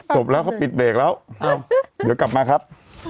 จบแล้วเขาปิดเบรกแล้วเดี๋ยวกลับมาครับ